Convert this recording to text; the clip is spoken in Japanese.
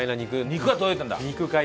肉が届いたんだ。